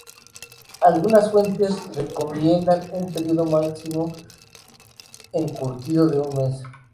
Algunas fuentes recomiendan un periodo máximo de encurtido de un mes.